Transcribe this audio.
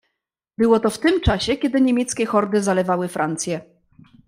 "Było to w tym czasie, kiedy niemieckie hordy zalewały Francję."